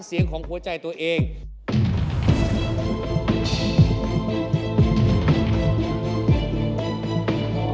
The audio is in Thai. มีพลิกโพสต์ทำไมเลือกเต้ย